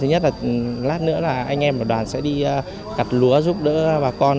thứ nhất là lát nữa là anh em của đoàn sẽ đi cặt lúa giúp đỡ bà con